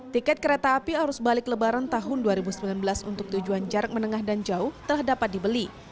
tiket kereta api arus balik lebaran tahun dua ribu sembilan belas untuk tujuan jarak menengah dan jauh telah dapat dibeli